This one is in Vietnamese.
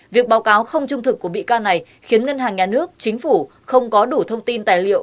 việc báo cáo không trung thực của bị can này khiến ngân hàng nhà nước chính phủ không có đủ thông tin tài liệu